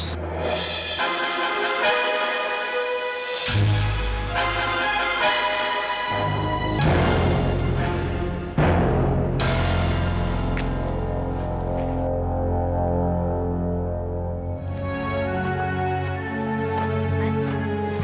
oh ini siap